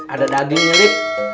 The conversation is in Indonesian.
ada dagingnya dip